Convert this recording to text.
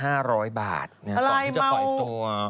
อะไรเมาก่อนที่จะปล่อยตัว